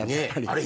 あれ？